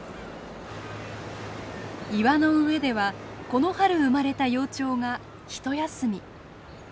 岩の上ではこの春生まれた幼鳥が一休み。